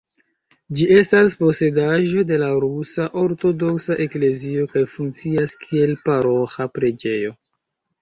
Ĝi estas posedaĵo de la Rusa Ortodoksa Eklezio kaj funkcias kiel paroĥa preĝejo.